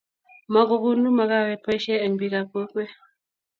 Mogugonu makawet boisie eng bikab kokwe.